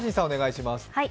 お願いします。